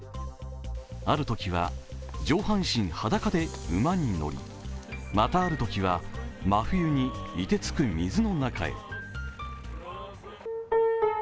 あるときは上半身裸で馬に乗り、またあるときは、真冬にいてつく水の中へ。